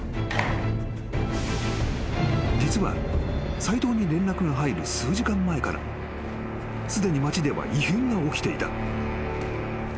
［実は斎藤に連絡が入る数時間前からすでに町では異変が起きていた］